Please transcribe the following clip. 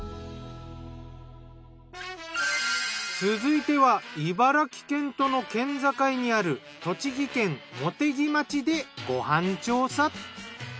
続いては茨城県との県境にある栃木県茂木町でご飯調査。